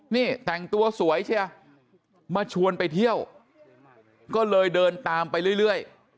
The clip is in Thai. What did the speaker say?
นี่แต่งตัวสวยเชียมาชวนไปเที่ยวก็เลยเดินตามไปเรื่อย